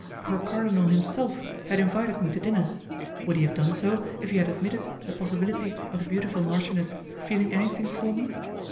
Her cardinal himself had invited me to dinner. Would he have done so if he had admitted the possibility of the beautiful marchioness feeling anything for me?